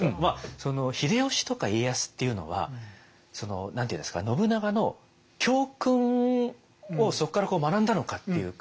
その秀吉とか家康っていうのは何ていうんですか信長の教訓をそこから学んだのかっていうか。